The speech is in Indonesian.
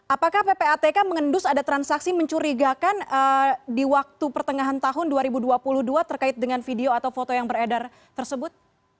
apakah ppatk mengendus ada transaksi mencurigakan di waktu pertengahan tahun dua ribu dua puluh dua terkait dengan video atau foto yang beredar tersebut